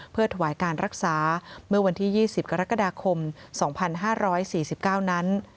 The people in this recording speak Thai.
เพื่อถวายการรักษาเมื่อวันที่๒๐กรกฎาคม๒๕๔๙นั้น